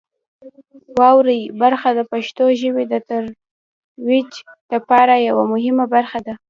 واورئ برخه د پښتو ژبې د ترویج لپاره یوه مهمه برخه ده.